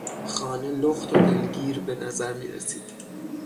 خانه لخت و دلگیر به نظر میرسید.